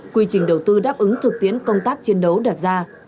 quy trình đầu tư đáp ứng thực tiến công tác chiến đấu đạt ra